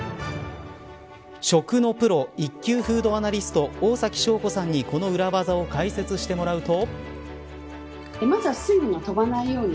食のプロ、１級フードアナリスト大崎祥子さんにこの裏技を解説してもらうと。